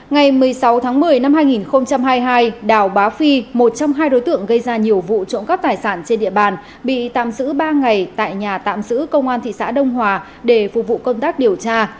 ngày một mươi sáu tháng một mươi năm hai nghìn hai mươi hai đào bá phi một trong hai đối tượng gây ra nhiều vụ trộm cắp tài sản trên địa bàn bị tạm giữ ba ngày tại nhà tạm giữ công an thị xã đông hòa để phục vụ công tác điều tra